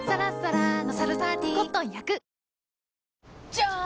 じゃーん！